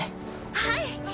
はい！